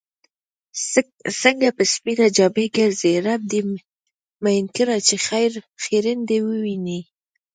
څنګه په سپينه جامه ګرځې رب دې مئين کړه چې خيرن دې ووينمه